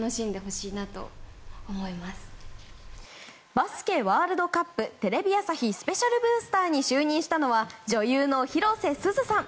バスケワールドカップテレビ朝日スペシャルブースターに就任したのは女優の広瀬すずさん。